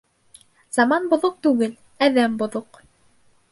Заман боҙоҡ түгел, әҙәм боҙоҡ.